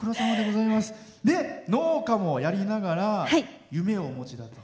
農家もやりながら夢をお持ちだと。